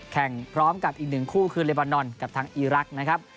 แข่งพร้อมกับอีกหนึ่งคู่คือเลบานอนกับทางอีรักษ์นะครับ